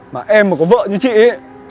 mà em mà có vợ như chị ấy